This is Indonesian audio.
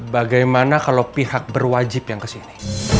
bagaimana kalau pihak berwajib yang kesini